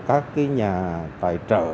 các nhà tài trợ